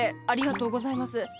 ありがとうございます。